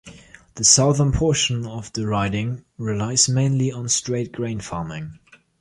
The southern portion of the riding relies mainly on straight grain farming.